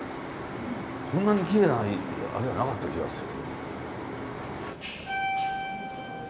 こんなにきれいなあれじゃなかった気がする。